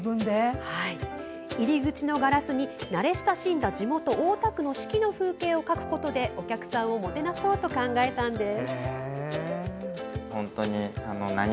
入り口のガラスに慣れ親しんだ地元・大田区の四季の風景を描くことでお客さんをもてなそうと考えたんです。